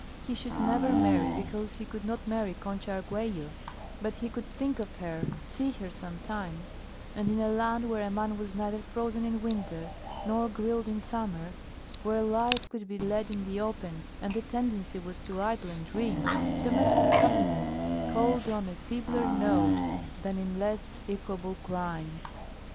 He should never marry because he could not marry Concha Arguello, but he could think of her, see her sometimes; and in a land where a man was neither frozen in winter nor grilled in summer, where life could be led in the open, and the tendency was to idle and dream, domestic happiness called on a feebler note than in less equable climes.